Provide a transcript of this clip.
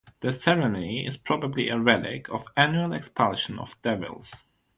The ceremony is probably a relic of an annual expulsion of devils.